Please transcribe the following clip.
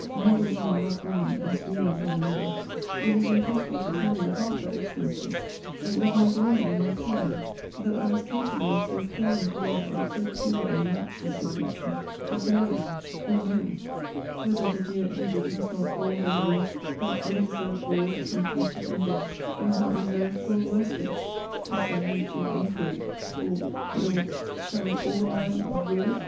Never woman loved woman as we love one another. It is impossible to tell you half her excellencies. It was my glory and my pride, that I was capable of so fervent a love of so pure and matchless a creature. But now who knows, whether the dear injured has not all her woes, her undeserved woes, completed in death; or is not reserved for a worse fate! This I leave to your inquiry for your [shall I call the man your?